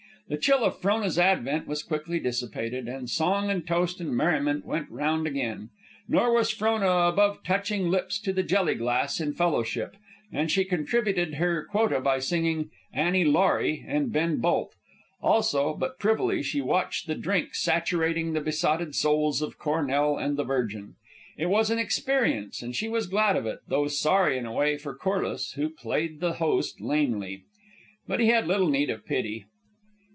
The chill of Frona's advent was quickly dissipated, and song and toast and merriment went round again. Nor was Frona above touching lips to the jelly glass in fellowship; and she contributed her quota by singing "Annie Laurie" and "Ben Bolt." Also, but privily, she watched the drink saturating the besotted souls of Cornell and the Virgin. It was an experience, and she was glad of it, though sorry in a way for Corliss, who played the host lamely. But he had little need of pity.